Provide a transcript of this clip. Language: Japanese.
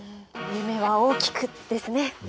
夢は大きくですね。